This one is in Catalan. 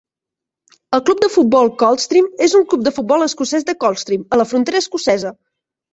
El Club de Futbol Coldstream és un club de futbol escocès de Coldstream, a la frontera escocesa.